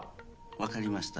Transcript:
分かりました。